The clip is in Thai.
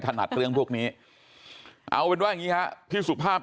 นัดเรื่องพวกนี้เอาเป็นว่าอย่างนี้ฮะพี่สุภาพ